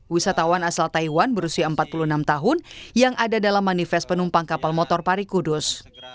wisatawan asal taiwan berusia empat puluh enam tahun yang ada dalam manifest penumpang kapal motor parikudus